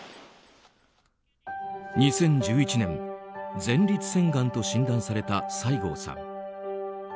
２０１１年前立腺がんと診断された西郷さん。